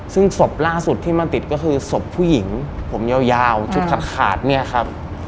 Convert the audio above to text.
ซึ่งศพล่าสุดที่มันติดก็คือศพผู้หญิงผมยาวชุดขาดเนี่ยครับ